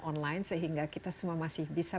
online sehingga kita semua masih bisa